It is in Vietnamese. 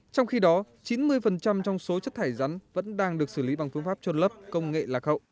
trong khi đó chín mươi trong số chất thải rắn vẫn đang được xử lý bằng phương pháp trôn lấp công nghệ lạc hậu